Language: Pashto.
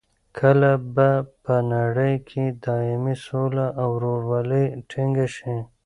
کله به په نړۍ کې دایمي سوله او رورولي ټینګه شي؟